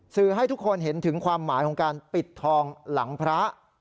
สื่อให้ทุกคนเห็นถึงความหมายของการปิดทองหลังพระ